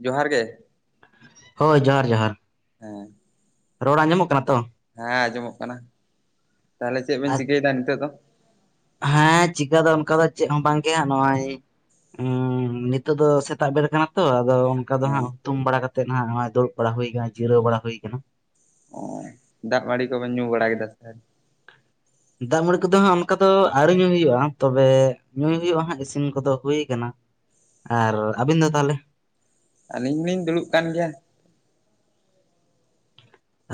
ᱡᱚᱦᱟᱨ ᱜᱮ ᱦᱳᱭ ᱡᱚᱦᱟᱨ ᱡᱚᱦᱟᱨ ᱦᱮᱸ ᱨᱚᱲ ᱟᱸᱡᱚᱢᱚᱜ ᱠᱟᱱᱟ ᱛᱚᱼᱼ ᱦᱮᱸ ᱟᱸᱡᱚᱢᱚᱜ ᱠᱟᱱᱟ ᱛᱟᱦᱚᱞᱮ ᱪᱮᱫ ᱵᱮᱱ ᱪᱤᱠᱟᱹᱭ ᱮᱫᱟ ᱱᱤᱛᱚᱜ ᱫᱚ ᱦᱮᱸ ᱪᱤᱠᱟᱹ ᱫᱚ ᱚᱱᱠᱟ ᱫᱚ ᱪᱮᱫ ᱦᱚᱸ ᱵᱟᱝ ᱜᱮ ᱱᱚᱜᱼᱚᱭ ᱦᱩᱸ ᱱᱤᱛᱚᱜ ᱫᱚ ᱥᱮᱛᱟᱜ ᱵᱮᱨ ᱠᱟᱱᱟ ᱛᱚ ᱟᱫᱚ ᱚᱱᱠᱟ ᱫᱚ ᱦᱮᱸ ᱦᱟᱸᱜ ᱦᱩᱛᱩᱢ ᱵᱟᱲᱟ ᱠᱟᱛᱮᱜ ᱱᱚᱜᱚᱭ ᱫᱩᱲᱩᱵ ᱵᱟᱲᱟ ᱦᱩᱭ ᱠᱟᱱᱟ ᱡᱤᱨᱟᱹᱣ ᱵᱟᱲᱟ ᱦᱩᱭ ᱠᱟᱱᱟ [unintelligible] ᱚ ᱫᱟᱜ ᱢᱟᱹᱲᱤ ᱠᱚᱵᱮᱱ ᱧᱩ ᱵᱟᱲᱟ ᱠᱮᱫᱟ ᱥᱮᱼᱼ ᱫᱟᱜ ᱢᱟᱹᱲᱤ ᱠᱚᱫᱚ ᱦᱟᱸᱜ ᱚᱱᱠᱟ ᱫᱚ ᱟᱹᱣᱨᱤ ᱧᱩᱭ ᱦᱩᱭᱩᱜᱼᱟ ᱛᱚᱵᱮ ᱧᱩᱭ ᱦᱩᱭᱩᱜᱼᱟ ᱦᱟᱸᱜ ᱤᱥᱤᱱ ᱠᱚᱫᱚ ᱦᱩᱭ ᱠᱟᱱᱟ ᱟᱨ ᱟᱹᱵᱤᱱ ᱫᱚ ᱛᱟᱦᱚᱞᱮ ᱟᱹᱞᱤᱧ ᱞᱤᱧ ᱫᱩᱲᱩᱵ ᱠᱟᱱ ᱜᱮᱭᱟ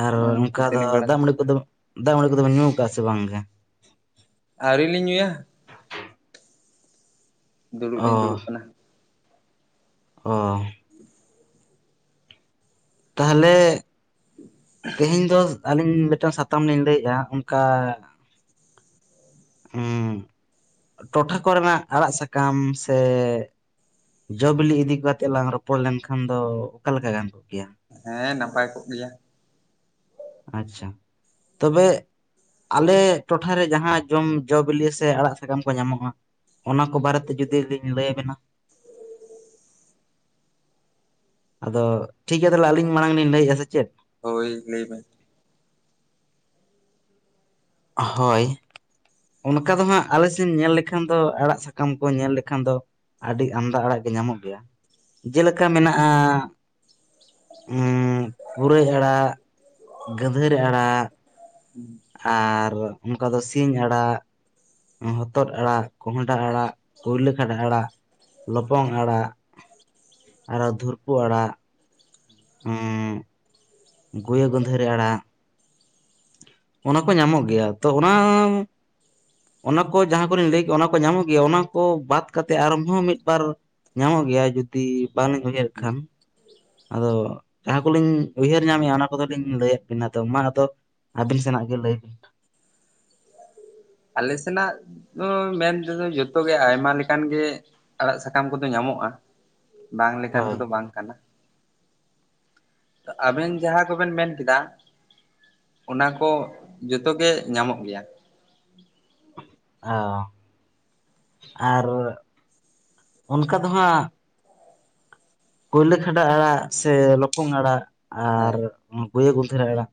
ᱟᱨ ᱱᱚᱜᱼᱚᱭ ᱚᱝᱠᱟ ᱫᱚ ᱫᱟᱹᱛᱟᱹᱱᱤ ᱵᱟᱲᱟ ᱫᱟᱜ ᱢᱟᱰᱤ ᱠᱚᱫᱚ, ᱫᱟᱜ ᱢᱟᱲᱤ ᱠᱚᱫᱚ ᱵᱮᱱ ᱧᱩᱻ ᱠᱟᱜᱼᱟ ᱥᱮ ᱵᱟᱝ ᱜᱮ? ᱟᱹᱣᱨᱤ ᱞᱤᱧ ᱧᱩᱭᱟ᱾ ᱫᱩᱲᱩᱵ ᱚ ᱞᱤᱧ, ᱫᱩᱲᱩᱵ ᱠᱟᱱᱟ᱾ ᱚ᱾ [inaudible] ᱛᱟᱦᱞᱮ! ᱛᱮᱦᱮᱧ ᱫᱚ ᱟᱹᱞᱤᱧ ᱢᱤᱴᱟᱜ ᱥᱟᱛᱟᱢ ᱞᱤᱧ ᱞᱟᱹᱭᱮᱜᱼᱟ᱾ ᱚᱱᱠᱟ ᱦᱩᱸ [inaudible] 'ᱴᱚᱴᱷᱟ ᱠᱚᱨᱮᱱᱟᱜ ᱟᱲᱟᱜ, ᱥᱟᱠᱟᱢ' ᱥᱮ 'ᱡᱚ-ᱵᱤᱞᱤ' ᱤᱫᱤ ᱠᱟᱛᱮᱜ ᱞᱟᱝ ᱨᱚᱯᱚᱲ ᱞᱮᱱᱠᱷᱟᱱ ᱫᱚ ᱚᱠᱟ ᱞᱮᱠᱟ ᱜᱟᱱ ᱠᱚᱜ ᱠᱮᱭᱟ? ᱦᱮᱸᱻ ᱱᱟᱯᱟᱭ ᱠᱚᱜ ᱜᱮᱭᱟ᱾ ᱟᱪᱪᱷᱟ, ᱛᱚᱵᱮ ᱟᱞᱮ ᱴᱚᱴᱷᱟᱨᱮ ᱡᱟᱦᱟᱸ 'ᱡᱚᱢ, ᱡᱚ-ᱵᱤᱞᱤ' ᱥᱮ 'ᱟᱲᱟᱜ, ᱥᱟᱠᱟᱢ' ᱠᱚ ᱧᱟᱢᱚᱜᱼᱟ᱾ ᱚᱱᱟ ᱠᱚ ᱵᱟᱨᱮᱛᱮ ᱡᱩᱫᱤ ᱞᱤᱧ ᱞᱟᱹᱭ ᱵᱮᱱᱟ? ᱟᱫᱚ ᱴᱷᱤᱠ ᱜᱮᱭᱟ ᱛᱟᱞᱮ ᱟᱹᱞᱤᱧ ᱢᱟᱲᱟᱝ ᱞᱤᱧ ᱞᱟᱹᱭᱮᱜᱼᱟ, ᱥᱮ ᱪᱮᱫ? ᱦᱳᱭ, ᱞᱟᱹᱭ ᱵᱮ ᱦᱳᱭ᱾ ᱚᱱᱠᱟ ᱫᱚ ᱦᱟᱸᱜ, ᱟᱞᱮᱥᱮᱱ ᱧᱮᱞ ᱞᱮᱠᱷᱟᱱ ᱫᱚ, ᱟᱲᱟᱜ, ᱥᱟᱠᱟᱢ ᱠᱚ ᱧᱮᱞ ᱞᱮᱠᱷᱟᱱ ᱫᱚ, ᱟᱹᱰᱤ ᱟᱢᱫᱟ ᱟᱲᱟᱜ ᱜᱮ ᱧᱟᱢᱚᱜ ᱜᱮᱭᱟ᱾ ᱡᱮᱞᱮᱠᱟ ᱢᱮᱱᱟᱜᱼᱟ, ᱩᱸ ᱯᱩᱨᱟᱹᱭ ᱟᱲᱟᱜ, ᱜᱟᱺᱫᱷᱟᱹᱨᱤ ᱟᱲᱟᱜ, ᱩᱸ᱾ ᱟᱨ ᱚᱱᱠᱟ ᱫᱚ ᱥᱤᱧ ᱟᱲᱟᱜ, ᱦᱚᱛᱚᱫ ᱟᱲᱟᱜ, ᱠᱚᱸᱦᱰᱟ ᱟᱲᱟᱜ, ᱠᱩᱭᱞᱟ. ᱠᱷᱟᱰᱟ ᱟᱲᱟᱜ, ᱞᱚᱯᱚᱝ ᱟᱲᱟᱜ, ᱟᱨᱚ ᱫᱷᱩᱨᱯᱩ ᱟᱲᱟᱜ, ᱩᱸ᱾ ᱜᱩᱭᱟᱹ ᱜᱟᱺᱫᱷᱟᱹᱨᱤ ᱟᱲᱟᱜ, ᱚᱱᱟ ᱠᱚ ᱧᱟᱢᱚᱜ ᱜᱮᱭᱟ᱾ ᱛᱚ ᱚᱱᱟ ᱚᱱᱟ ᱠᱚ ᱡᱟᱦᱟᱸ ᱠᱚᱞᱤ ᱞᱟᱹᱭ ᱠᱮᱜ, ᱚᱱᱟ ᱠᱚ ᱧᱟᱢᱚᱜ ᱜᱮᱭᱟ᱾ ᱚᱱᱟ ᱠᱚ ᱵᱟᱫᱽ ᱠᱟᱛᱮᱜ ᱟᱨᱦᱚᱸ ᱢᱤᱫ, ᱵᱟᱨ ᱧᱟᱢᱚᱜ ᱜᱮᱭᱟ ᱡᱩᱫᱤ ᱵᱟᱝᱞᱤᱧ ᱩᱭᱦᱟᱹᱨᱮᱜ ᱠᱷᱟᱱ ᱟᱫᱚ ᱡᱟᱦᱟᱸ ᱠᱚᱞᱤᱧ ᱩᱭᱦᱟᱹᱨ ᱧᱟᱢᱮᱜᱼᱟ, ᱚᱱᱟ ᱠᱚᱫᱚᱞᱤᱧ ᱞᱟᱹᱭᱟᱜ ᱵᱮᱱᱟ᱾ ᱫᱚ ᱢᱟ ᱟᱫᱚ ᱟᱵᱤᱱ ᱥᱮᱱᱟᱜ ᱜᱮ ᱞᱟᱹᱭ ᱵᱤᱱ᱾ ᱟᱞᱮ ᱥᱮᱱᱟᱜ ᱩᱸ ᱢᱮᱱᱛᱮᱫᱚ ᱡᱚᱛᱚ ᱜᱮ, ᱟᱭᱢᱟ ᱞᱮᱠᱟᱱ ᱜᱮ ᱟᱲᱟᱜ, ᱥᱟᱠᱟᱢ ᱠᱚᱫᱚ ᱧᱟᱢᱚᱜᱼᱟ᱾ ᱵᱟᱝ ᱞᱮᱠᱟᱱ ᱦᱳᱭ ᱠᱚᱫᱚ, ᱵᱟᱝ ᱠᱟᱱᱟ᱾ ᱛᱚ, ᱟᱵᱮᱱ ᱡᱟᱦᱟᱸ ᱠᱚᱵᱮᱱ ᱢᱮᱱ ᱠᱮᱫᱟ! ᱚᱱᱟ ᱠᱚ ᱡᱚᱛᱚ ᱜᱮ ᱧᱟᱢᱚᱜ ᱜᱮᱭᱟ᱾ ᱦᱮᱸ ᱚ ᱟᱨ ᱚᱱᱠᱟ ᱫᱚ ᱦᱟᱸᱜ ᱠᱚᱭᱞᱟᱹ ᱠᱷᱟᱰᱟ ᱟᱲᱟᱜ ᱥᱮ ᱞᱚᱯᱚᱝ ᱟᱲᱟᱜ ᱟᱨ ᱜᱩᱭᱟᱹ ᱜᱩᱸᱫᱷᱟ. ᱨᱤ ᱟᱲᱟᱜ᱾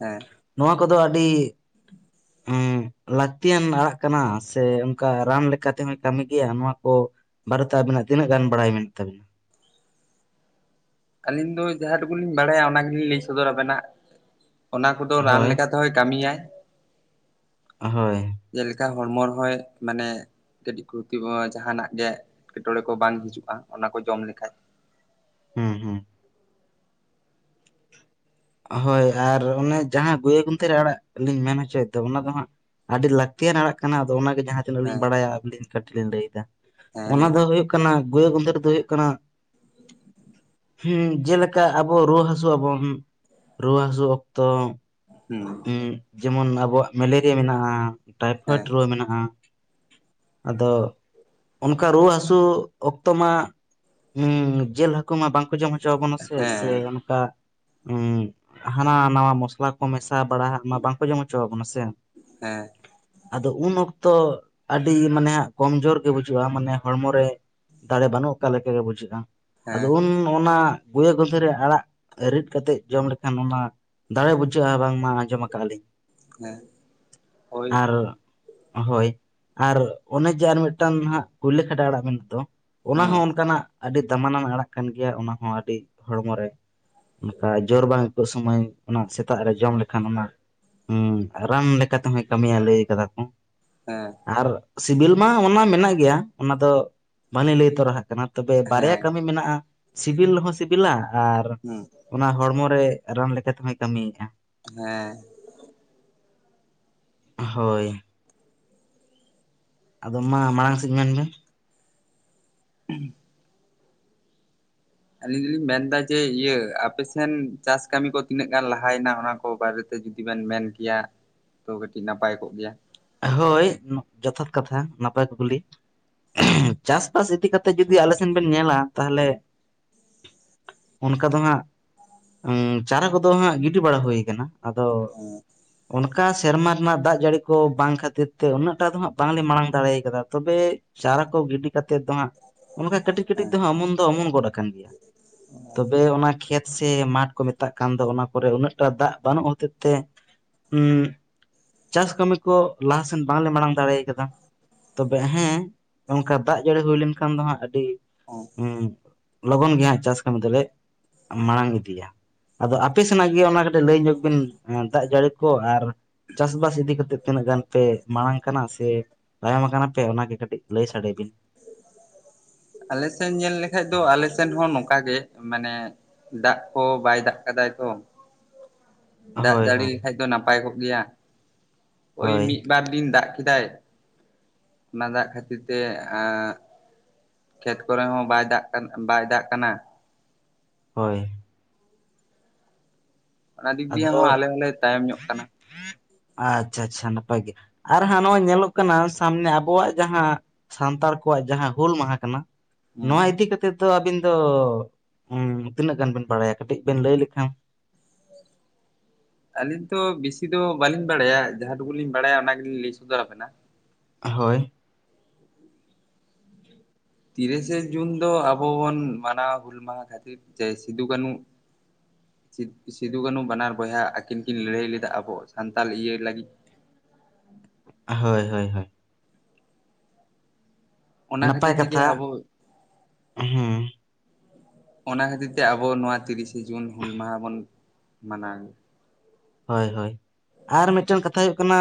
ᱮᱸ᱾ ᱱᱚᱣᱟ ᱠᱚᱫᱚ ᱟᱰᱤ ᱩᱸ ᱞᱟᱠᱛᱤᱭᱟᱱ ᱟᱲᱟᱜ ᱠᱟᱱᱟ ᱥᱮ ᱚᱝᱠᱟ ᱨᱟᱱ ᱞᱮᱠᱟ ᱛᱮᱦᱚᱸᱭ ᱠᱟᱢᱤ ᱜᱮᱭᱟ᱾ ᱱᱚᱣᱟ ᱠᱚ ᱵᱟᱨᱮᱛᱮ ᱟᱵᱤᱱᱟᱜ ᱛᱤᱱᱟᱹᱜ ᱜᱟᱱ ᱵᱟᱲᱟᱭ ᱢᱮᱱᱟᱜ ᱛᱟᱵᱤᱱᱟ? ᱟᱹᱞᱤᱧ ᱫᱚ ᱡᱟᱦᱟᱸ ᱴᱩᱠᱩ ᱞᱤᱧ ᱵᱟᱲᱟᱭᱟ, ᱚᱱᱟ ᱜᱮᱞᱤᱧ ᱞᱟᱹᱭ ᱥᱚᱫᱚᱨᱟᱵᱮᱱᱟ ᱚᱱᱟ ᱠᱚᱫᱚ ᱨᱟᱱ ᱦᱳᱭ ᱞᱮᱠᱟ ᱛᱚᱦᱚᱭ ᱠᱟᱢᱤᱭᱟᱭ᱾ ᱦᱳᱭ ᱾ ᱡᱮᱞᱮᱠᱟ ᱦᱚᱲᱢᱚ ᱨᱮᱦᱚᱸᱭ ᱢᱟᱱᱮ ᱠᱟᱹᱴᱤᱡ ᱠᱷᱩᱛᱤ ᱵᱚ ᱡᱟᱦᱟᱱᱟᱜ ᱜᱮ ᱮᱴᱠᱮᱴᱚᱬᱮ ᱠᱚ ᱵᱟᱝ ᱦᱤᱡᱩᱜᱼᱟ ᱚᱱᱟ ᱠᱚ ᱡᱚᱢ ᱞᱮᱠᱷᱟᱡ ᱾ ᱦᱩᱸ ᱦᱩᱸ ᱾ ᱦᱳᱭ ᱟᱨ ᱚᱱᱮ ᱡᱟᱦᱟᱸ ᱜᱩᱭᱟ. ᱜᱩᱱᱛᱷᱮᱨ ᱟᱲᱟᱜ ᱞᱤᱧ ᱢᱮᱱ ᱦᱚᱪᱚᱭ ᱮᱫᱟ ᱚᱱᱟ ᱫᱚ ᱦᱟᱸᱜ ᱟᱹᱰᱤ ᱞᱟᱹᱠᱛᱤᱭᱟᱱ ᱟᱲᱟᱜ ᱠᱟᱱᱟ ᱟᱫᱚ ᱚᱱᱟᱜᱮ ᱡᱟᱦᱟᱸ ᱛᱤᱱᱟᱹᱜ ᱞᱤᱧ ᱦᱮᱸ ᱵᱟᱲᱟᱭᱟ ᱟᱹᱵᱤᱱ ᱠᱟᱹᱴᱤᱡ ᱞᱤᱧ ᱞᱟᱹᱭ ᱮᱫᱟ [inaudible] ᱦᱮᱸ ᱚᱱᱟ ᱞᱟᱹᱭ ᱫᱚ ᱢᱮ ᱦᱩᱭᱩᱜ ᱠᱟᱱᱟ ᱜᱩᱭᱟ. ᱜᱩᱫᱷᱮᱨ ᱫᱚ ᱦᱩᱭᱩᱜ ᱠᱟᱱᱟ [inaudible] ᱦᱮᱸ ᱡᱮᱞᱮᱠᱟ ᱟᱵᱚ ᱨᱩᱣᱟᱹ ᱦᱟᱹᱥᱩᱜ ᱟᱵᱚᱱ ᱾ ᱨᱩᱣᱟᱹ ᱦᱟᱹᱥᱩ ᱚᱠᱛᱚ ᱦᱮᱸ ᱾ ᱡᱮᱢᱚᱱ ᱟᱵᱚᱣᱟᱜ ᱢᱮᱞᱮᱨᱤᱭᱟ ᱢᱮᱱᱟᱜᱼᱟ, ᱴᱟᱭᱯᱷᱚᱭᱮᱰ ᱦᱮᱸ ᱨᱩᱣᱟᱹ ᱢᱮᱱᱟᱜᱼᱟ ᱾ ᱟᱫᱚ [inaudible] ᱚᱱ ᱚᱱᱠᱟ ᱨᱩᱣᱟᱹᱜ ᱦᱟᱥᱩ ᱚᱠᱛᱚ ᱢᱟ [inaudible] ᱚᱸ ᱡᱤᱞ ᱦᱟᱹᱠᱩ ᱢᱟ ᱵᱟᱝᱠᱚ ᱡᱚᱢ ᱪᱚᱵᱚᱱ ᱥᱮ ᱥᱮ ᱦᱮᱸ ᱚᱱᱠᱟ ᱚᱸ ᱦᱟᱱᱟ ᱱᱟᱣᱟ ᱢᱚᱥᱞᱟ ᱠᱚ ᱢᱮᱥᱟ ᱵᱟᱲᱟ ᱦᱟᱜ ᱢᱟ ᱵᱟᱝᱠᱚ ᱡᱚᱢ ᱦᱚᱪᱚᱣᱟᱵᱚᱱᱟ ᱥᱮ ᱾ ᱦᱮᱸ [inaudible] ᱟᱫᱚ ᱩᱱ ᱚᱠᱛᱚ ᱟᱹᱰᱤ ᱢᱟᱱᱮ ᱦᱟᱸᱜ ᱠᱚᱢᱡᱳᱨ ᱜᱮ ᱵᱩᱡᱩᱜᱼᱟ, ᱢᱟᱱᱮ ᱦᱚᱲᱢᱚ ᱨᱮ ᱫᱟᱲᱮ ᱵᱟᱹᱱᱩᱜ ᱟᱠᱟᱜ ᱞᱮᱠᱟ ᱜᱮ ᱵᱩᱡᱷᱟᱹᱜᱼᱟ ᱟᱫᱚ ᱦᱮᱸ ᱩᱱ ᱚᱱᱟ ᱜᱭᱟᱹᱜᱚᱫᱷᱮᱨᱮ ᱟᱲᱟᱜ ᱨᱤᱫ ᱠᱟᱛᱮ ᱡᱚᱢ ᱞᱮᱠᱷᱟᱱ ᱚᱱᱟ ᱫᱟᱲᱮ ᱵᱩᱡᱷᱟᱹᱜᱼᱟ ᱵᱟᱝ? ᱟᱸᱡᱚᱢ ᱟᱠᱟᱜᱼᱟ ᱞᱤᱧ ᱦᱮᱸ ᱦᱳᱭ ᱾ [inaudible] ᱟᱨ ᱦᱳᱭ ᱟᱨ ᱚᱱᱮ ᱡᱮ ᱟᱨ ᱢᱤᱫᱴᱟᱝ ᱦᱟᱸᱜ ᱠᱩᱭᱞᱟᱹ ᱠᱷᱟᱰᱟ ᱟᱲᱟᱜ ᱢᱮᱱ ᱫᱚ ᱚᱱᱟ ᱦᱩᱸ ᱦᱚᱸ ᱚᱱᱠᱟᱱᱟᱜ ᱟᱹᱰᱤ ᱫᱟᱢᱟᱱᱟᱱ ᱟᱲᱟᱜ ᱠᱟᱱ ᱜᱮᱭᱟ ᱚᱱᱟ ᱦᱚᱸ ᱟᱹᱰᱤ ᱦᱚᱲᱢᱚ ᱨᱮ ᱚᱱᱠᱟ ᱡᱳᱨ ᱵᱟᱝ ᱟᱹᱭᱠᱟᱹᱜ ᱥᱩᱢᱟᱹᱭ ᱚᱱᱟ ᱥᱮᱛᱟᱜ ᱨᱮ ᱡᱚᱢ ᱞᱮ ᱠᱷᱟᱱ ᱚᱱᱟ ᱦᱚᱸ ᱩᱸ ᱨᱟᱱ ᱞᱮᱠᱟ ᱛᱮᱦᱚᱸᱭ ᱠᱟᱹᱢᱤᱭᱤᱭᱟᱭ ᱞᱟᱹᱭ ᱟᱠᱟᱫᱟ ᱠᱚ ᱦᱮᱸ ᱾ ᱟᱨ ᱥᱤᱵᱤᱞ ᱢᱟ ᱚᱱᱟ ᱢᱮᱱᱟᱜ ᱜᱮᱭᱟ ᱚᱱᱟ ᱫᱚ ᱵᱟᱹᱞᱤᱧ ᱞᱟᱹᱭ ᱛᱚᱨᱟ ᱟᱜ ᱠᱟᱱᱟ ᱾ ᱛᱚᱵᱮ ᱵᱟᱨᱭᱟ ᱦᱮᱸ ᱠᱟᱹᱢᱤ ᱢᱮᱱᱟᱜᱼᱟ ᱥᱤᱵᱤᱞ ᱦᱚᱸ ᱥᱤᱵᱤᱞᱟ ᱟᱨ ᱦᱩᱸ ᱚᱱᱟ ᱦᱚᱲᱢᱚ ᱨᱮ ᱨᱟᱱ ᱞᱮᱠᱟ ᱛᱮᱦᱚᱸᱭ ᱠᱟᱹᱢᱤᱭᱮᱫᱼᱟ ᱾ ᱦᱮᱸ ᱾ ᱦᱳᱭ ᱾ ᱟᱫᱚ ᱢᱟ ᱢᱟᱲᱟᱝ ᱥᱮᱫ ᱢᱮᱱ ᱢᱮ ᱾ [unintelligible] ᱟᱞᱤᱧ ᱫᱚᱞᱤᱧ ᱢᱮᱱ ᱮᱫᱟ ᱡᱮ ᱤᱭᱟᱹ ᱟᱯᱮ ᱥᱮᱱ ᱪᱟᱥ ᱠᱟᱹᱢᱤ ᱠᱚ ᱛᱤᱱᱟᱹᱜ ᱜᱟᱱ ᱞᱟᱦᱟᱭᱮᱱᱟ ᱚᱱᱟ ᱠᱚ ᱵᱟᱨᱮ ᱡᱩᱫᱤ ᱵᱮᱱ ᱢᱮᱱ ᱠᱮᱭᱟ ᱛᱚ ᱠᱟᱹᱴᱤᱡ ᱱᱟᱯᱟᱭ ᱠᱚᱜ ᱜᱮᱭᱟ ᱾ ᱦᱳᱭ ᱡᱚᱛᱷᱟᱛ ᱠᱟᱛᱷᱟ ᱱᱟᱯᱟᱭ ᱠᱩᱠᱞᱤ ᱾ ᱪᱟᱥᱵᱟᱥ ᱤᱫᱤ ᱠᱟᱛᱮᱜ ᱡᱩᱫᱤ ᱟᱞᱮ ᱥᱮᱱ ᱵᱮᱱ ᱧᱮᱞᱟ ᱛᱟᱦᱚᱞᱮ ᱚᱱᱠᱟ ᱫᱚ ᱦᱟᱸᱜ [inaudible] ᱩᱸ ᱪᱟᱨᱟ ᱠᱚᱫᱚ ᱦᱟᱸᱜ ᱜᱤᱰᱤ ᱵᱟᱲᱟ ᱦᱩᱭ ᱟᱠᱟᱱᱟ ᱾ ᱟᱫᱚ [inaudible] ᱚᱱᱠᱟ ᱥᱮᱨᱢᱟ ᱨᱮᱱᱟᱜ ᱫᱟᱜ ᱡᱟᱹᱲᱤ ᱠᱚ ᱵᱟᱝ ᱠᱷᱟᱹᱛᱤᱨ ᱛᱮ ᱩᱱᱟᱹᱜ ᱴᱟᱜ ᱫᱚ ᱦᱟᱸᱜ ᱵᱟᱝᱞᱮ ᱢᱟᱲᱟᱝ ᱫᱟᱲᱮ ᱟᱠᱟᱫᱟ, ᱛᱚᱵᱮ ᱪᱟᱨᱟ ᱠᱚ ᱜᱤᱰᱤ ᱠᱟᱛᱮᱫ ᱫᱚ ᱦᱟᱸᱜ ᱚᱱᱠᱟᱱ ᱠᱟᱹᱴᱤᱡ ᱠᱟᱹᱴᱤᱡ ᱦᱮᱸ ᱛᱮᱦᱚᱸ ᱚᱢᱚᱱ ᱫᱚ ᱚᱢᱚᱱ ᱜᱚᱫ ᱟᱠᱟᱱ ᱜᱮᱭᱟ ᱾ [inaudible] ᱛᱚᱵᱮ ᱚᱱᱟ ᱠᱷᱮᱛ ᱥᱮ ᱢᱟᱴᱷ ᱠᱚ ᱢᱮᱛᱟᱜ ᱠᱟᱱ ᱫᱚ ᱚᱱᱟ ᱠᱚᱨᱮ ᱩᱱᱟᱹᱜ ᱴᱟᱜ ᱫᱟᱜ ᱵᱟᱹᱱᱩᱜ ᱦᱚᱛᱮᱫ ᱛᱮ ᱦᱩᱸ [inaudible] ᱪᱟᱥ ᱠᱟᱹᱢᱤ [unintelligible] ᱞᱟᱦᱟᱥᱮᱱ ᱵᱟᱝᱞᱮ ᱢᱟᱲᱟᱝ ᱫᱟᱲᱮ ᱟᱠᱟᱫᱟ, [inaudible] ᱛᱚᱵᱮ ᱦᱮᱸ ᱚᱱᱠᱟ ᱫᱟᱜ ᱡᱟᱹᱲᱤ ᱦᱩᱭ ᱞᱮᱱ ᱠᱷᱟᱱ ᱫᱚ ᱦᱟᱸᱜ ᱟᱹᱰᱤ ᱚ ᱾ ᱦᱩᱸ ᱞᱚᱜᱚᱱ ᱜᱮ ᱦᱟᱸᱜ ᱪᱟᱥ ᱠᱟᱹᱢᱤ ᱫᱚᱞᱮ ᱢᱟᱲᱟᱝ ᱤᱫᱤᱭᱟ, ᱟᱫᱚ ᱟᱯᱮ ᱥᱮᱱᱟᱜ ᱜᱮ ᱚᱱᱟ ᱠᱟᱹᱴᱤᱡ ᱞᱟᱹᱭ ᱧᱚᱜ ᱵᱤᱱ ᱫᱟᱜ ᱡᱟᱹᱲᱤ ᱠᱚ ᱟᱨ ᱪᱟᱥᱵᱟᱥ ᱤᱫᱤ ᱠᱟᱛᱮᱫ ᱛᱤᱱᱟᱹᱜ ᱜᱟᱱ ᱯᱮ ᱢᱟᱲᱟᱝ ᱠᱟᱱᱟ ᱥᱮ ᱛᱟᱭᱚᱢ ᱠᱟᱱᱟ ᱯᱮ ᱚᱱᱟᱜᱮ ᱠᱟᱹᱴᱤᱡ ᱞᱟᱹᱭ ᱥᱟᱰᱮ ᱵᱤᱱ? ᱟᱞᱮ ᱥᱮᱱ ᱧᱮᱞ ᱞᱮᱠᱷᱟᱡ ᱫᱚ ᱟᱞᱮ ᱥᱮᱫ ᱦᱚᱸ ᱱᱚᱝᱠᱟ ᱜᱮ ᱢᱟᱱᱮ ᱫᱟᱜ ᱠᱚ ᱵᱟᱭ ᱫᱟᱜ ᱠᱟᱫᱟᱭ ᱛᱚ, ᱫᱟᱜ ᱦᱳᱭ ᱡᱟᱹᱲᱤ ᱦᱳᱭ ᱞᱮᱠᱟᱱᱡ ᱫᱚ ᱱᱟᱯᱟᱭ ᱠᱚᱜ ᱜᱮᱭᱟ᱾ ᱳᱭ ᱦᱳᱭ ᱢᱤᱫᱵᱟᱨ ᱤᱧ ᱫᱟᱜ ᱠᱮᱫᱟᱭ, ᱚᱱᱟ ᱫᱟᱜ ᱠᱷᱟᱹᱛᱤᱨ ᱛᱮ ᱮᱸᱜ ᱠᱷᱮᱛ ᱠᱚᱨᱮ ᱦᱚᱸ ᱵᱟᱭ ᱫᱟᱜ ᱠᱟᱱᱟ ᱵᱟᱭ ᱫᱟᱜ ᱠᱟᱱᱟ, ᱦᱳᱭ ᱾ ᱚᱱᱟ ᱫᱤᱠ ᱫᱤᱭᱮ ᱟᱫᱚ ᱦᱚᱸ ᱟᱞᱮ ᱦᱚᱸᱞᱮ ᱛᱟᱭᱚᱢ ᱧᱚᱜ ᱠᱟᱱᱟ ᱾ ᱟᱪᱪᱷᱟ ᱪᱷᱟ ᱪᱷᱟ ᱱᱟᱯᱟᱭ ᱜᱮ, ᱟᱨ ᱦᱟᱸᱜ ᱱᱚᱜᱼᱚᱭ ᱧᱮᱞᱚᱜ ᱠᱟᱱᱟ ᱥᱟᱢᱱᱮ ᱟᱵᱚᱣᱟᱜ ᱡᱟᱦᱟᱸ ᱥᱟᱱᱛᱟᱲ ᱠᱚᱣᱟᱜ ᱡᱟᱦᱟᱸ ᱦᱩᱞ ᱢᱟᱦᱟ ᱠᱟᱱᱟ ᱱᱚᱣᱟ ᱦᱩᱸ ᱤᱫᱤ ᱠᱟᱛᱮᱫ ᱫᱚ ᱟᱹᱵᱤᱱ ᱫᱚ ᱛᱤᱱᱟᱹᱜ ᱜᱟᱱ ᱵᱤᱱ ᱵᱟᱲᱟᱭᱟ ᱠᱟᱹᱴᱤᱡ ᱵᱮᱱ ᱞᱟᱹᱭ ᱞᱮᱠᱷᱟᱱ [inaudible] ᱟᱹᱞᱤᱧ ᱛᱚ ᱵᱮᱥᱤ ᱫᱚ ᱵᱟᱹᱞᱤᱧ ᱵᱟᱲᱟᱭᱟ, ᱡᱟᱦᱟᱸ ᱴᱩᱠᱩ ᱞᱤᱧ ᱵᱟᱲᱟᱭᱟ ᱚᱱᱟ ᱜᱮᱞᱤᱧ ᱞᱮ ᱥᱚᱫᱚᱨ ᱟᱵᱮᱱᱟ᱾ ᱦᱳᱭ᱾ ᱛᱤᱨᱤᱥᱮ ᱡᱩᱱ ᱫᱚ ᱟᱵᱚ ᱵᱚᱱ ᱢᱟᱱᱟᱣ ᱦᱩᱞ ᱢᱟᱦᱟ ᱠᱷᱟᱹᱛᱤᱨ ᱡᱮ ᱥᱤᱫᱩ ᱠᱟᱹᱱᱩ ᱥᱤᱫ ᱥᱤᱫᱩ ᱠᱟᱹᱱᱩ ᱵᱟᱱᱟᱨ ᱵᱚᱭᱦᱟ ᱟᱹᱠᱤᱱ ᱠᱤᱱ ᱞᱟᱹᱨᱦᱟᱹᱭ ᱞᱮᱫᱟ ᱟᱵᱚ ᱥᱟᱱᱛᱟᱞ ᱤᱣᱟᱹ ᱞᱟᱹᱜᱤᱛ, ᱦᱳᱭ ᱦᱳᱭ ᱦᱳᱭ᱾ ᱚᱱᱟ ᱱᱟᱯᱟᱭ ᱠᱷᱟᱹᱛᱤᱨ ᱛᱮᱜᱤ ᱠᱟᱛᱷᱟ ᱟᱵᱚ ᱦᱩᱸ ᱚᱱᱟ ᱠᱷᱟᱹᱛᱤᱨ ᱛᱮ ᱟᱵᱚ ᱱᱚᱣᱟ ᱛᱤᱨᱤᱥᱮ ᱡᱩᱱ ᱦᱩᱞ ᱢᱟᱦᱟᱸ ᱵᱚᱱ ᱢᱟᱱᱟᱣᱟ᱾ ᱦᱳᱭ ᱦᱳᱭ ᱟᱨ ᱢᱤᱫᱴᱟᱝ ᱠᱟᱛᱷᱟ ᱦᱚᱭᱩᱜ ᱠᱟᱱᱟ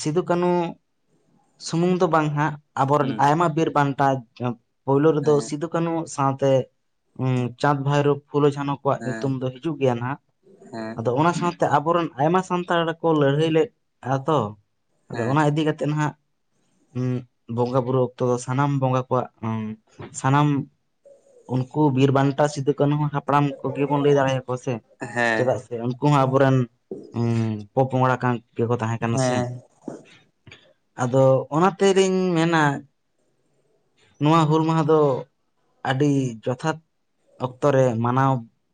ᱥᱤᱫᱩ ᱠᱟᱹᱱᱩ ᱥᱩᱢᱩᱝ ᱫᱚ ᱵᱟᱝ ᱦᱟᱸᱜ, ᱟᱵᱚᱨᱮᱱ ᱦᱩᱸ ᱟᱭᱢᱟ ᱵᱤᱨ ᱵᱟᱱᱴᱟ ᱯᱳᱭᱞᱳ ᱨᱮᱫᱚ ᱦᱮᱸ ᱥᱤᱫᱩ ᱠᱟᱹᱱᱩ ᱥᱟᱶᱛᱮ ᱦᱩᱸ ᱪᱟᱸᱫᱽ, ᱵᱷᱟᱭᱨᱳᱵ ᱯᱷᱩᱞᱳ, ᱡᱷᱟᱱᱚ ᱠᱚᱣᱟᱜ ᱧᱩᱛᱩᱢ ᱦᱮᱸ ᱫᱚ ᱦᱤᱡᱩᱜ ᱜᱮᱭᱟ ᱱᱟᱸᱦᱜ ᱦᱮᱸ ᱟᱫᱚ ᱚᱱᱟ ᱥᱟᱶᱛᱮ ᱟᱵᱚᱨᱮᱱ ᱟᱭᱢᱟ ᱥᱟᱱᱛᱟᱲ ᱠᱚ ᱞᱟᱹᱲᱦᱟᱹᱭ ᱞᱮᱫ ᱟ ᱛᱚ, ᱟᱫᱚ ᱚᱱᱟ ᱦᱮᱸ ᱤᱫᱤ ᱠᱟᱛᱮᱛ ᱱᱟᱦᱟᱸᱜ ᱩᱸᱜ ᱵᱚᱸᱜᱟ ᱵᱩᱨᱩ ᱚᱠᱛᱚ ᱫᱚ ᱥᱟᱱᱟᱢ ᱵᱚᱸᱜᱟ ᱠᱚᱣᱟᱜ ᱩᱸ ᱥᱟᱱᱟᱢ ᱩᱱᱠᱩ ᱵᱤᱨᱼᱵᱟᱱᱴᱟ ᱥᱤᱫᱩ ᱠᱟᱱᱩ ᱦᱟᱯᱲᱟᱢ ᱠᱚᱜᱮ ᱵᱚᱱ ᱞᱮ ᱫᱟᱲᱮᱭᱟᱠᱚᱣᱟ ᱥᱮ, ᱦᱮᱸ ᱪᱮᱫᱟᱜ ᱥᱮ ᱩᱱᱠᱩ ᱦᱚᱸ ᱟᱵᱚᱨᱮᱱ ᱩᱸ ᱯᱳᱼᱯᱚᱝᱲᱟ ᱠᱟᱱ ᱜᱮᱠᱚ ᱛᱟᱦᱮᱸ ᱠᱟᱱᱟ ᱥᱮ? ᱦᱮᱸ ᱟᱫᱚ ᱚᱱᱟ ᱛᱮᱨᱤᱧ ᱢᱮᱱᱟ ᱱᱚᱣᱟ ᱦᱩᱞ ᱢᱟᱦᱟᱸ ᱫᱚ ᱟᱹᱰᱤ ᱡᱚᱛᱷᱟᱛ ᱚᱠᱛᱚ ᱨᱮ ᱢᱟᱱᱟᱣ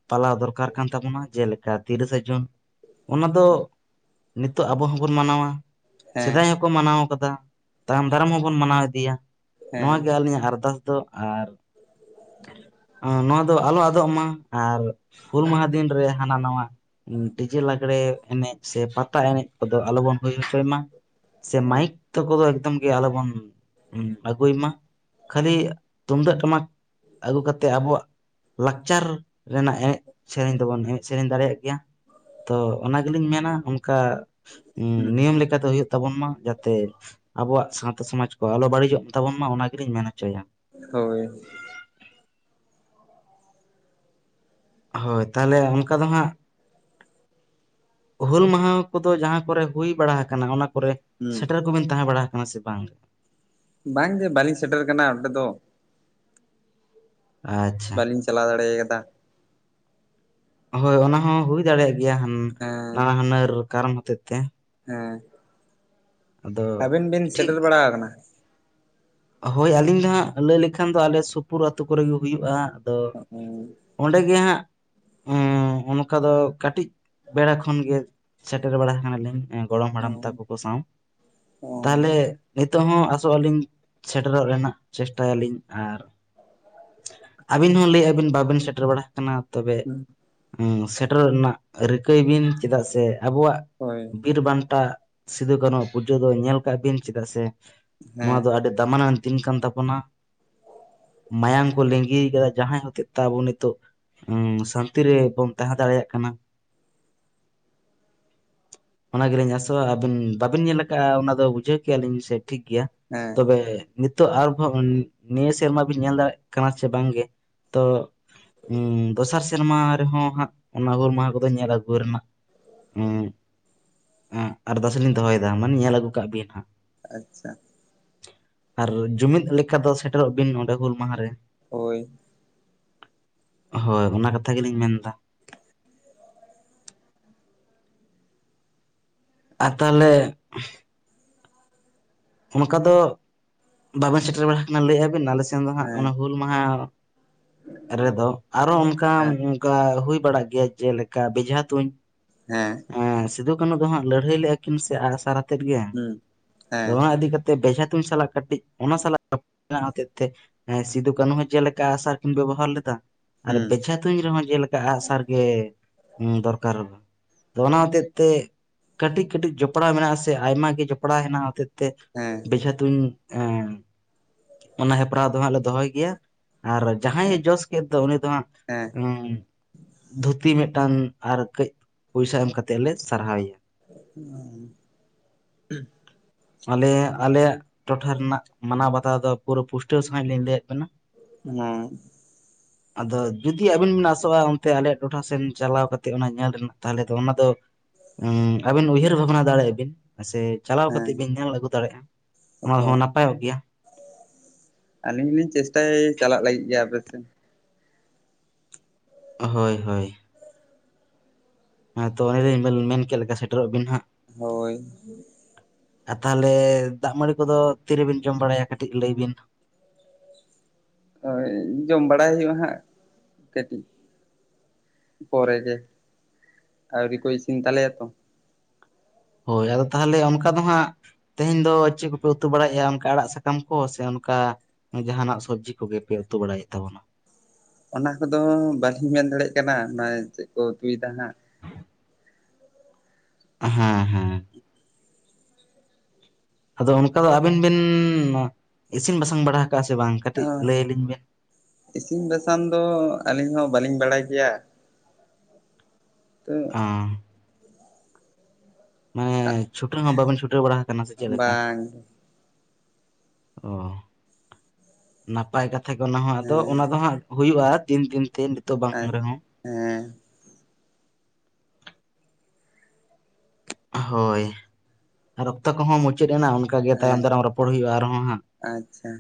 ᱯᱟᱞᱟᱣ ᱫᱚᱨᱠᱟᱨ ᱠᱟᱱ ᱛᱟᱵᱚᱱᱟ, ᱡᱮᱞᱮᱠᱟ ᱛᱤᱨᱤᱥᱟ ᱡᱩᱱ ᱚᱱᱟ ᱫᱚ ᱱᱤᱛᱳᱜ ᱟᱵᱚ ᱦᱚᱸᱵᱚᱱ ᱢᱟᱱᱟᱣᱟ ᱦᱮᱸ ᱥᱮᱫᱟᱭ ᱦᱚ ᱠᱚ ᱢᱟᱱᱟᱣ ᱠᱟᱫᱟ ᱛᱟᱭᱚᱢ ᱫᱟᱨᱟᱢ ᱦᱚᱵᱚᱱ ᱢᱟᱱᱟᱣ ᱤᱫᱤᱭᱟ᱾ ᱱᱚᱣᱟ ᱦᱮᱸ ᱜᱮ ᱟᱹᱞᱤᱧᱟᱜ ᱟᱨᱫᱟᱥ ᱫᱚ ᱟᱨ [inaudible] ᱱᱚᱣᱟ ᱫᱚ ᱟᱞᱚ ᱟᱫᱚᱜ ᱢᱟ, ᱟᱨ ᱦᱩᱞ ᱢᱟᱦᱟᱸ ᱫᱤᱱ ᱨᱮ ᱦᱟᱱᱟ ᱱᱟᱣᱟ ᱩᱸ ᱰᱤᱡᱮ ᱞᱟᱜᱽᱲᱮ ᱮᱱᱮᱡ ᱥᱮ ᱯᱟᱛᱟ ᱮᱱᱮᱡ ᱠᱚᱫᱚ ᱟᱞᱚᱵᱚᱱ ᱦᱩᱭ ᱦᱚᱪᱚᱭ ᱢᱟ, ᱥᱮ ᱦᱮᱸ ᱢᱟᱭᱤᱠ ᱛᱳ ᱠᱚᱫᱚ ᱮᱠᱫᱚᱢ ᱜᱮ ᱟᱞᱚᱵᱚᱱ ᱟᱹᱜᱩᱭ ᱢᱟ, ᱠᱷᱟᱹᱞᱤ ᱛᱩᱢᱫᱟᱜ ᱴᱟᱢᱟᱠ ᱟᱹᱜᱩ ᱠᱟᱛᱮᱜ ᱟᱵᱚᱣᱟᱜ ᱞᱟᱠᱪᱟᱨ ᱨᱮᱱᱟᱜ ᱮᱱᱮᱡ ᱥᱮᱨᱮᱧ ᱫᱚᱵᱚᱱ ᱮᱱᱮᱡ ᱥᱮᱨᱮᱧ ᱫᱟᱲᱮᱭᱟᱜ ᱜᱮᱭᱟ, ᱛᱚ ᱚᱱᱟ ᱜᱮᱞᱤᱧ ᱢᱮᱱᱟ ᱚᱫᱠᱟ ᱩᱸ ᱦᱩᱸ ᱱᱤᱭᱚᱢ ᱞᱮᱠᱟ ᱫᱚ ᱦᱩᱭᱩᱜ ᱛᱟᱵᱚᱱ ᱢᱟ ᱡᱟᱛᱮ ᱟᱵᱚᱣᱟᱜ ᱥᱟᱶᱛᱟ ᱥᱚᱢᱟᱡᱽ ᱠᱚ ᱟᱞᱚ ᱵᱟᱹᱲᱤᱡᱚᱜ ᱛᱟᱵᱚᱱ ᱢᱟ ᱚᱱᱟ ᱜᱮᱞᱤᱧ ᱢᱮᱱ ᱦᱚᱪᱚᱭᱟ [inaudible] ᱦᱳᱭ ᱦᱳᱭ ᱛᱟᱦᱟᱞᱮ ᱚᱱᱠᱟ ᱫᱚ ᱦᱟᱸᱜ ᱦᱩᱞ ᱢᱟᱦᱟᱸ ᱠᱚᱫᱚ ᱡᱟᱦᱟ ᱠᱚᱨᱮ ᱦᱩᱭ ᱵᱟᱲᱟ ᱟᱠᱟᱱᱟ ᱚᱱᱟ ᱠᱚᱨᱮ ᱦᱩᱸ ᱥᱮᱴᱮᱨ ᱠᱚ ᱵᱤᱱ ᱛᱟᱦᱮᱸ ᱵᱟᱲᱟ ᱟᱠᱟᱱᱟ ᱥᱮ ᱵᱟᱝ ᱵᱟᱝ ᱜᱮ ᱵᱟᱹᱞᱤᱧ ᱥᱮᱴᱮᱨ ᱟᱠᱟᱱᱟ ᱚᱸᱰᱮ ᱫᱚᱼᱼ ᱟᱪᱪᱷᱟ ᱵᱟᱹᱞᱤᱧ ᱪᱟᱞᱟᱣ ᱫᱟᱲᱮ ᱠᱟᱫᱟ ᱦᱳᱭ ᱚᱱᱟ ᱦᱚᱸ ᱦᱩᱭ ᱫᱟᱲᱮᱭᱟᱜ ᱜᱮᱭᱟ [unintelligible] ᱦᱮᱸ ᱱᱟᱱᱟ ᱦᱩᱱᱟᱹᱨ ᱠᱟᱨᱚᱱ ᱦᱚᱛᱮᱛ ᱛᱮ ᱦᱮᱸ ᱟᱫᱚ [inaudible] ᱟᱹᱵᱤᱱ ᱵᱤᱱ ᱴᱷᱤᱠ ᱥᱮᱴᱮᱨ ᱵᱟᱲᱟ ᱟᱠᱟᱱᱟ ᱦᱳᱭ ᱟᱹᱞᱤᱧ ᱫᱚ ᱦᱟᱸᱜ ᱞᱟᱹᱭ ᱞᱮᱠᱷᱟᱱ ᱫᱚ ᱟᱞᱮ ᱥᱩᱯᱩᱨ ᱟᱹᱛᱩ ᱠᱚᱨᱮᱜ ᱦᱩᱭᱩᱜᱼᱟ ᱟᱫᱚ ᱚᱸᱰᱮ ᱜᱮ ᱦᱟᱸᱜ [unintelligible] ᱚᱱᱠᱟ ᱫᱚ ᱠᱟᱹᱴᱤᱡᱼᱼ ᱵᱮᱲᱟ ᱠᱷᱚᱱ ᱜᱮ ᱥᱮᱴᱮᱨ ᱵᱟᱲᱟ ᱟᱠᱟᱱᱟ ᱞᱤᱧ ᱮᱸ ᱜᱚᱲᱚᱢ ᱦᱟᱲᱟᱢ ᱛᱟᱠᱚ ᱠᱚ ᱥᱟᱶ ᱛᱟᱦᱚᱞᱮ ᱱᱤᱛᱚᱜ ᱦᱚᱸ ᱟᱥᱚᱜ ᱟᱹᱞᱤᱧ ᱥᱮᱴᱮᱨᱚᱜ ᱨᱮᱱᱟᱜ ᱪᱮᱥᱴᱟᱭ ᱟᱞᱤᱧ ᱟᱨ ᱟᱹᱵᱤᱱ ᱦᱚᱸ ᱞᱮᱭ ᱟᱵᱤᱱ ᱵᱟᱵᱤᱱ ᱥᱮᱴᱮᱨ ᱵᱟᱲᱟ ᱟᱠᱟᱱᱟ ᱛᱚᱵᱮ ᱩᱸ ᱥᱮᱴᱮᱨᱚᱜ ᱨᱮᱱᱟᱜ ᱨᱤᱠᱟᱹᱭ ᱵᱤᱱ ᱪᱮᱫᱟᱜ ᱥᱮ ᱟᱵᱚᱣᱟᱜ ᱦᱳᱭ ᱵᱤᱨ ᱵᱟᱱᱴᱟ ᱥᱤᱫᱩ ᱠᱟᱹᱱᱩᱣᱟᱜ ᱯᱩᱡᱟᱹ ᱫᱚ ᱧᱮᱞ ᱠᱟᱜ ᱵᱤᱱ ᱪᱮᱫᱟᱜ ᱥᱮ ᱱᱚᱣᱟ ᱦᱮᱸ ᱫᱚ ᱟᱹᱰᱤ ᱫᱟᱢᱟᱱᱟᱱ ᱫᱤᱱ ᱠᱟᱱ ᱛᱟᱵᱚᱱᱟ ᱢᱟᱭᱟᱢ ᱠᱚ ᱞᱤᱝᱜᱤ ᱠᱟᱫᱟ ᱡᱟᱦᱟᱸᱭ ᱦᱚᱛᱮᱡ ᱛᱮ ᱟᱵᱚ ᱱᱤᱛᱚᱜ ᱦᱩᱸ ᱥᱟᱱᱛᱤ ᱨᱮᱵᱚᱱ ᱛᱟᱦᱮᱸ ᱫᱟᱲᱮᱭᱟᱜ ᱠᱟᱱᱟ [inaudible] ᱚᱱᱟ ᱜᱮᱞᱤᱧ ᱟᱥᱚᱜᱼᱟ ᱟᱹᱵᱤᱱ ᱵᱟᱵᱤᱱ ᱧᱮᱞ ᱠᱟᱜᱼᱟ ᱚᱱᱟ ᱫᱚ ᱵᱩᱡᱷᱟᱹᱣ ᱠᱮᱫ ᱟᱞᱤᱧ ᱥᱮ ᱴᱷᱤᱠ ᱜᱮᱭᱟ ᱦᱮᱸ ᱮᱜ ᱱᱤᱛᱚᱜ ᱟᱨᱵᱚᱸ ᱱᱤᱭᱟᱹ ᱥᱮᱨᱢᱟ ᱵᱤᱱ ᱧᱮᱞ ᱫᱟᱲᱮᱭᱟᱜ ᱠᱟᱱᱟ ᱥᱮ ᱵᱟᱝ ᱜᱮ ᱛᱚ [unintelligible] ᱩᱸ ᱫᱚᱥᱟᱨ ᱥᱮ ᱥᱮᱨᱢᱟ ᱨᱮᱦᱚᱸ ᱦᱟᱸᱜ ᱚᱱᱟ ᱦᱩᱞ ᱢᱟᱦᱟ ᱠᱚᱫᱚ ᱧᱮᱞ ᱟᱹᱜᱩ ᱨᱮᱱᱟᱜ ᱩᱸ ᱮᱜ ᱟᱨᱫᱟᱥ ᱞᱤᱧ ᱫᱚᱦᱚᱭᱫᱟ ᱢᱟᱱᱮ ᱧᱮᱞ ᱟᱹᱜᱩ ᱠᱟᱜ ᱵᱤᱱ ᱦᱟᱸᱜ ᱟᱪᱪᱷᱟ ᱟᱨ ᱡᱩᱢᱤᱫ ᱞᱮᱠᱟ ᱫᱚ ᱥᱮᱴᱮᱨᱚᱜ ᱵᱤᱱ ᱚᱸᱰᱮ ᱦᱩᱞ ᱢᱟᱦᱟ ᱨᱮᱼᱼ ᱦᱳᱭ ᱦᱳᱭ ᱚᱱᱟ ᱠᱟᱛᱷᱟ ᱜᱮᱞᱤᱧ ᱢᱮᱱᱫᱟ [inaudible] ᱟᱨ ᱛᱟᱦᱞᱮ ᱚᱱᱠᱟ ᱫᱚ ᱵᱟᱵᱮᱱ ᱥᱮᱴᱮᱨ ᱵᱟᱲᱟ ᱟᱠᱟᱱᱟ ᱞᱟᱹᱭ ᱮᱫᱼᱟᱵᱤᱱ ᱟᱞᱮ ᱥᱮᱱ ᱫᱚ ᱦᱟᱸᱜ ᱦᱮᱸ ᱚᱱᱟ ᱦᱩᱞ ᱢᱟᱦᱟ ᱨᱮᱫᱚ ᱟᱨᱚ ᱚᱱᱠᱟᱱᱼᱼ ᱦᱮᱸ ᱠᱟ ᱦᱩᱭ ᱵᱟᱲᱟᱜ ᱜᱮᱭᱟ ᱡᱮᱞᱮᱠᱟ ᱵᱮᱡᱷᱟ ᱛᱩᱧ ᱦᱮᱸ ᱮ ᱥᱤᱫᱩ ᱠᱟᱹᱱᱩ ᱫᱚ ᱦᱟᱸᱜ ᱞᱟᱹᱲᱦᱟᱹᱭ ᱞᱮᱜᱼᱟ ᱠᱤᱱ ᱥᱮ ᱟᱜᱥᱟᱨ ᱟᱛᱮᱜ ᱜᱮ ᱟᱫᱚ ᱦᱩᱸ ᱦᱮᱸ ᱚᱱᱟ ᱤᱫᱤ ᱠᱟᱛᱮ ᱵᱮᱡᱷᱟ ᱛᱩᱧ ᱥᱟᱞᱟᱜ ᱠᱟᱹᱴᱤᱡ ᱚᱱᱟ ᱥᱟᱞᱟᱜ ᱦᱚᱛᱮᱡ ᱛᱮᱼᱼ ᱦᱮᱸ ᱥᱤᱫᱩ ᱠᱟᱹᱱᱦᱩ ᱦᱚᱸ ᱡᱮᱞᱮᱠᱟ ᱟᱜᱥᱟᱨ ᱠᱤᱱ ᱵᱮᱵᱚᱦᱟᱨ ᱞᱮᱫᱟ ᱟᱨ ᱦᱩᱸ ᱵᱮᱡᱷᱟ ᱛᱩᱧ ᱨᱮ ᱦᱚᱸ ᱡᱮᱞᱮᱠᱟ ᱟᱜ ᱥᱟᱨ ᱜᱮ ᱫᱚᱨᱠᱟᱨᱚᱜᱼᱟ ᱟᱫᱚ ᱚᱱᱟ ᱦᱚᱛᱮᱡ ᱛᱮ ᱠᱟᱹᱴᱤᱡ ᱠᱟᱹᱴᱤᱡ ᱡᱚᱯᱲᱟᱣ ᱢᱮᱱᱟᱜ ᱥᱮ ᱟᱭᱢᱟ ᱜᱮ ᱡᱚᱯᱲᱟᱣ ᱦᱮᱱᱟᱜ ᱛᱮᱼᱼ ᱛᱮ ᱦᱮᱸ ᱵᱮᱡᱷᱟ ᱛᱩᱧ ᱮᱸ ᱚᱱᱟ ᱦᱮᱯᱨᱟᱣ ᱫᱚ ᱦᱟᱸᱜ ᱞᱮ ᱫᱚᱦᱚᱭ ᱜᱮᱭᱟ ᱟᱨ ᱡᱟᱸᱦᱟᱭ ᱮ ᱡᱚᱥ ᱠᱮᱫ ᱫᱚ ᱩᱱᱤ ᱫᱚ ᱦᱟᱸᱜ ᱦᱮᱸ ᱩᱸ ᱫᱷᱩᱛᱤ ᱢᱤᱫᱴᱟᱝ ᱟᱨ ᱠᱟᱹᱡ ᱯᱚᱭᱥᱟ ᱮᱢ ᱠᱟᱛᱮᱫ ᱞᱮ ᱥᱟᱨᱦᱟᱣ ᱮᱭᱟ ᱚ [unintelligible] ᱟᱞᱮ ᱟᱞᱮᱭᱟᱜ ᱴᱚᱴᱷᱟ ᱨᱮᱱᱟᱜ ᱢᱟᱱᱟᱣ ᱵᱟᱛᱟᱣ ᱫᱚ ᱯᱩᱨᱟᱹ ᱯᱩᱥᱴᱟᱹᱣ ᱥᱟᱺᱦᱤᱡ ᱞᱤᱧ ᱞᱟᱹᱭᱟᱫ ᱵᱤᱱᱟ᱾ ᱚᱻ ᱟᱫᱚ ᱡᱩᱫᱤ ᱟ. ᱵᱤᱱ ᱵᱤᱱ ᱟᱥᱚᱜᱼᱟ ᱚᱱᱛᱮ ᱟᱞᱮᱭᱟᱜ ᱴᱚᱴᱷᱟ ᱥᱮᱱ ᱪᱟᱞᱟᱣ ᱠᱟᱛᱮᱫ ᱚᱱᱟ ᱧᱮᱞ ᱨᱮᱱᱟᱜ ᱛᱟᱦᱚᱞᱮ ᱫᱚ ᱚᱱᱟᱫᱚᱼᱼ ᱩ ᱟᱵᱤᱱ ᱩᱭᱦᱟᱹᱨ ᱵᱷᱟᱵᱱᱟ ᱫᱟᱲᱮᱜ ᱟᱵᱤᱱ ᱥᱮ ᱪᱟᱞᱟᱜᱼᱼ ᱦᱮᱸ ᱠᱟᱛᱮᱜ ᱵᱤᱱ ᱧᱮᱞ ᱟᱹᱜᱩ ᱫᱟᱲᱮᱜᱼᱟ ᱚᱱᱟ ᱦᱳᱭ ᱦᱚᱸ ᱱᱟᱯᱟᱭᱚᱜ ᱜᱮᱭᱟ᱾ ᱟᱹᱞᱤᱧ ᱞᱤᱧ ᱪᱮᱥᱴᱟᱭᱟ ᱪᱟᱞᱟᱜ ᱞᱟᱹᱜᱤᱫ ᱜᱮ ᱟᱯᱮ ᱥᱮᱱ ᱦᱳᱭ ᱦᱳᱭ, ᱦᱮᱸ ᱛᱚ ᱚᱱᱮᱞᱤᱧ ᱢᱮᱱ ᱠᱮᱫ ᱞᱮᱠᱟ ᱥᱮᱴᱮᱨᱚᱜ ᱵᱤᱱ ᱦᱟᱸᱜ᱾ ᱦᱳᱭ ᱟᱨ ᱛᱟᱦᱚᱞᱮ ᱫᱟᱜ ᱢᱟᱹᱲᱤ ᱠᱚᱫᱚ ᱛᱤᱨᱮᱵᱤᱱ ᱡᱚᱢ ᱵᱟᱲᱟᱭᱟ ᱠᱟᱹᱴᱤᱡ ᱞᱟᱹᱭ ᱵᱤᱱ? ᱦᱳᱭ ᱡᱚᱢ ᱵᱟᱲᱟᱭ ᱦᱩᱭᱩᱜᱼᱟ ᱦᱟᱸᱜ ᱠᱟᱹᱴᱤᱡ ᱯᱚᱨᱮ ᱜᱮ ᱟᱹᱣᱨᱤ ᱠᱚ ᱤᱥᱤᱱ ᱛᱟᱞᱮᱭᱟ ᱛᱚ ᱦᱳᱭ ᱟᱫᱚ ᱛᱟᱦᱚᱞᱮ ᱚᱱᱠᱟ ᱫᱚ ᱦᱟᱸᱜᱼᱼ ᱛᱮᱦᱮᱧ ᱫᱚ ᱪᱮᱫ ᱠᱚᱯᱮ ᱩᱛᱩ ᱵᱟᱲᱟᱭᱮᱫᱼᱟ ᱚᱱᱠᱟ ᱟᱲᱟᱜ ᱥᱟᱠᱟᱢ ᱠᱚ ᱥᱮ ᱚᱱᱠᱟᱼᱼ ᱡᱟᱦᱟᱱᱟᱜ ᱥᱚᱵᱽᱡᱤ ᱠᱚᱜᱮᱯᱮ ᱩᱛᱩ ᱵᱟᱲᱟᱭᱮᱫ ᱛᱟᱵᱚᱱᱟ? ᱚᱱᱟ ᱠᱚᱫᱚ ᱵᱟᱞᱤᱧ ᱢᱮᱱ ᱫᱟᱲᱮᱭᱟᱜ ᱠᱟᱱᱟ ᱚᱱᱟ ᱪᱮᱫ ᱠᱚ ᱩᱛᱩᱭᱫᱟ ᱦᱟᱸᱜ᱾ ᱦᱮᱸ ᱦᱮᱸ ᱟᱫᱚ ᱚᱱᱠᱟ ᱫᱚ ᱟᱹᱵᱤᱱ ᱵᱤᱱ ᱤᱥᱤᱱ ᱵᱟᱥᱟᱝ ᱵᱟᱲᱟ ᱟᱠᱟᱜᱼᱟ ᱥᱮ ᱵᱟᱝ ᱠᱟᱹᱴᱤᱡ ᱞᱟᱹᱭᱭᱟ ᱞᱤᱧ ᱵᱮᱱ? ᱤᱥᱤᱱ ᱵᱟᱥᱟᱝ ᱫᱚ ᱟᱹᱞᱤᱧ ᱦᱚᱸ ᱵᱟᱹᱞᱤᱧ ᱵᱟᱲᱟᱭ ᱠᱮᱭᱟ᱾ ᱛᱚᱼᱼ ᱚ ᱢᱟᱱᱮ ᱪᱷᱩᱴᱟᱹᱣ ᱦᱚᱸ ᱵᱟᱵᱮᱱ ᱪᱷᱩᱴᱟᱹᱣ ᱵᱟᱲᱟ ᱟᱠᱟᱱᱟ ᱥᱮ ᱪᱮᱫ ᱞᱮᱠᱟ? ᱵᱟᱝ ᱚ ᱱᱟᱯᱟᱭ ᱠᱟᱛᱷᱟ ᱜᱮ ᱚᱱᱟ ᱦᱚᱸ ᱟᱫᱚ ᱦᱮᱸ ᱚᱱᱟ ᱫᱚ ᱦᱟᱸᱜᱼᱼ ᱦᱩᱭᱩᱜᱼᱟ ᱫᱤᱱ ᱫᱤᱱ ᱛᱮ ᱱᱤᱛᱚᱜ ᱵᱟᱝ ᱨᱮᱦᱚᱸ ᱦᱮᱸᱻ ᱦᱳᱭ ᱟᱨ ᱚᱠᱛᱚ ᱠᱚᱦᱚᱸ ᱢᱩᱪᱟᱹᱫ ᱮᱱᱟ ᱚᱱᱟᱼᱼ ᱚᱱᱠᱟᱜᱮ ᱦᱮᱸ ᱛᱟᱭᱚᱢ ᱫᱟᱨᱟᱢ ᱨᱚᱯᱚᱲ ᱦᱩᱭᱩᱜᱼᱟ ᱟᱨᱦᱚᱸ ᱦᱟᱸᱜ ᱟᱪᱪᱷᱟ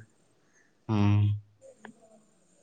ᱦᱩᱸᱼᱼ [inaudible]